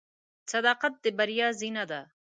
• صداقت د بریا زینه ده.